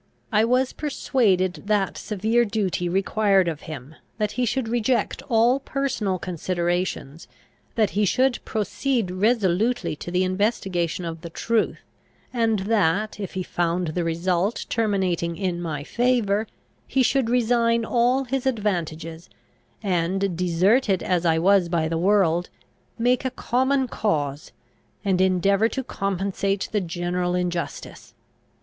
I was persuaded that severe duty required of him, that he should reject all personal considerations, that he should proceed resolutely to the investigation of the truth, and that, if he found the result terminating in my favour, he should resign all his advantages, and, deserted as I was by the world, make a common cause, and endeavour to compensate the general injustice.